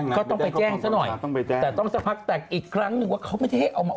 ก็ยังต้องไปแจ้งนะ